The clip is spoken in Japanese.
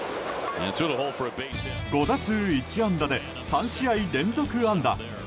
５打数１安打で３試合連続安打。